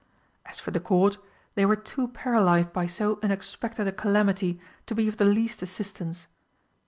As for the Court, they were too paralysed by so unexpected a calamity to be of the least assistance.